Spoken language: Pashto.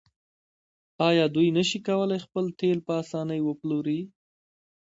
آیا دوی نشي کولی خپل تیل په اسانۍ وپلوري؟